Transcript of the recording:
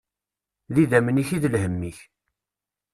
D idammen-ik i d lhemm-ik.